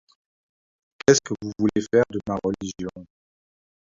Qu'est-ce que vous voulez faire de ma religion?